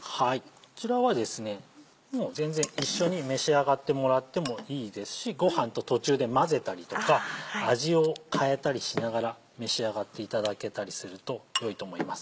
こちらはですね一緒に召し上がってもらってもいいですしご飯と途中で混ぜたりとか味を変えたりしながら召し上がっていただけたりするとよいと思います。